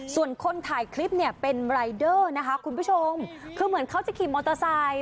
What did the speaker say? ส่วนคนถ่ายคลิปเนี่ยเป็นรายเดอร์นะคะคุณผู้ชมคือเหมือนเขาจะขี่มอเตอร์ไซค์